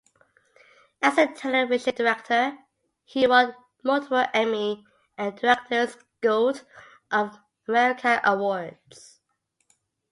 As a television director he won multiple Emmy and Directors Guild of America Awards.